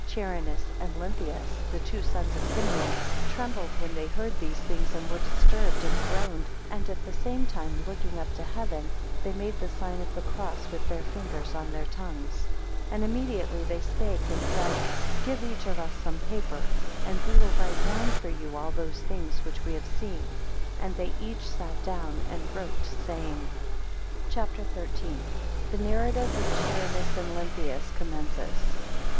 24 Charinus and Lenthius, the two sons of Simeon, trembled when they heard these things, and were disturbed, and groaned; and at the same time looking up to heaven, they made the sign of the cross with their fingers on their tongues, 25 And immediately they spake, and said, Give each of us some paper, and we will write down for you all those things which we have seen. And they each sat down and wrote, saying: CHAPTER XIII. 1 The narrative of Charinus and Lenthius commences.